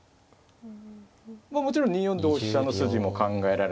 もちろん２四同飛車の筋も考えられますし。